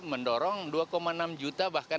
mendorong dua enam juta bahkan